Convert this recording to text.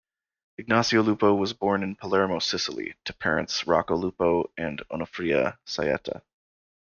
Ignazio Lupo was born in Palermo, Sicily, to parents Rocco Lupo and Onofria Saietta.